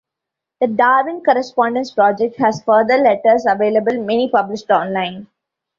The Darwin Correspondence Project has further letters available, many published online.